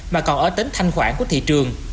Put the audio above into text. mà còn ở tính thanh khoản của thị trường